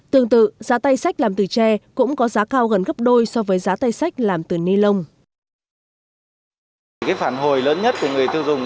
tương tự giá tay sách làm từ tre cũng có giá cao gần gấp đôi so với giá tay sách làm từ ni lông